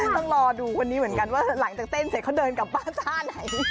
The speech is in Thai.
ต้องรอดูคนนี้เหมือนกันว่าหลังจากเต้นเสร็จเขาเดินกลับบ้านท่าไหน